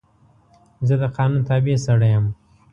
زه د قانون تابع سړی یم.